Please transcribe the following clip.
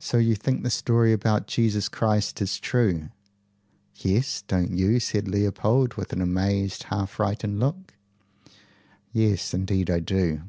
"So you think the story about Jesus Christ is true?" "Yes. Don't you?" said Leopold with an amazed, half frightened look. "Yes, indeed I do.